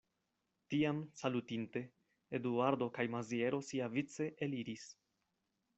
Tiam, salutinte, Eduardo kaj Maziero siavice eliris.